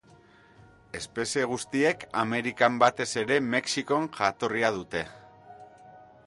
Espezie guztiek Amerikan, batez ere Mexikon, jatorria dute.